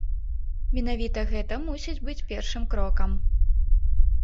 Менавіта гэта мусіць быць першым крокам.